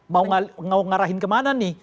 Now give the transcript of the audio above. mau ngarahin kemana nih